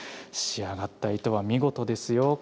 仕上がった糸は見事ですよ。